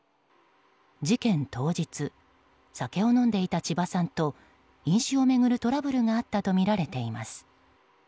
事件当日酒を飲んでいた千葉さんと飲酒を巡るトラブルがあったとみられています。